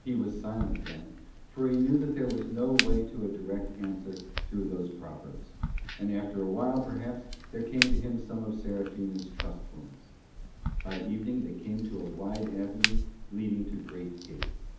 He was silent then, for he knew that there was no way to a direct answer through those proverbs, and after a while perhaps there came to him some of Serafina's trustfulness. By evening they came to a wide avenue leading to great gates.